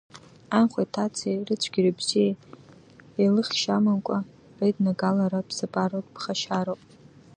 Анхәеи аҭацеи рыцәгьеи рыбзиеи еилыхшьа амамкәа реиднагалара ԥсабаратә ԥҟароуп.